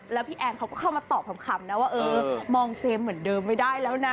แล้วพี่แอนเขาก็เข้ามาตอบคำนะว่าเออมองเจมส์เหมือนเดิมไม่ได้แล้วนะ